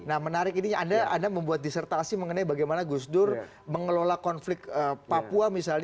nah menarik ini anda membuat disertasi mengenai bagaimana gus dur mengelola konflik papua misalnya